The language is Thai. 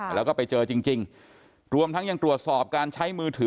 แล้วก็ไปเจอจริงรวมทั้งยังตรวจสอบการใช้มือถือ